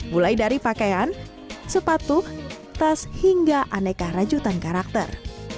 mulai dari pakaian sepatu tas hingga aneka rajutan karakter